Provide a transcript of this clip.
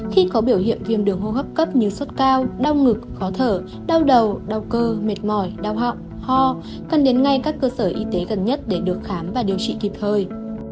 khi có biểu hiện viêm đường hô hấp cấp như sốt cao đau ngực khó thở đau đầu đau cơ mệt mỏi đau họng ho cần đến ngay các cơ sở y tế gần nhất để được khám và điều trị kịp thời